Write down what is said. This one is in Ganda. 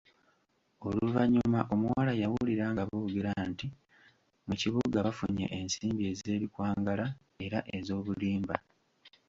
Oluvannyuma omuwala yawulira nga boogera nti: Mu kibuga bafunye ensimbi ez'ebikwangala era ez'obulimba.